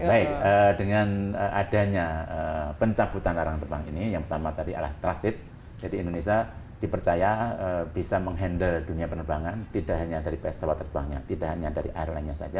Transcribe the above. baik dengan adanya pencabutan larangan terbang ini yang pertama tadi adalah trusted jadi indonesia dipercaya bisa menghandle dunia penerbangan tidak hanya dari pesawat terbangnya tidak hanya dari airline nya saja